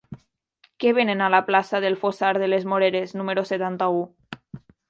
Què venen a la plaça del Fossar de les Moreres número setanta-u?